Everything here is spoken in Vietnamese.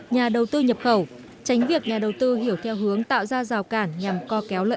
nhà đầu tư nhập khẩu tránh việc nhà đầu tư hiểu theo hướng tạo ra rào cản nhằm co kéo lợi